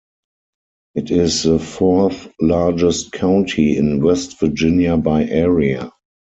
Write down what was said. It is the fourth-largest county in West Virginia by area.